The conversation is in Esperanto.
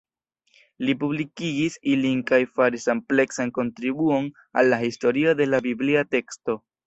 Li publikigis ilin kaj faris ampleksan kontribuon al la historio de la biblia teksto.